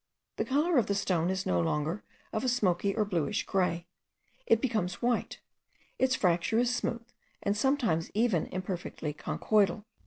The colour of the stone is no longer of a smoky or bluish grey; it becomes white; its fracture is smooth, and sometimes even imperfectly conchoidal.